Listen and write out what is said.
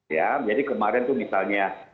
ya jadi kemarin tuh misalnya